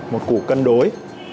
một củ cân đối